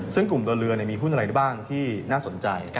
ซึ่งกลุ่มตัวเรือมีหุ้นอะไรได้บ้างที่น่าสนใจ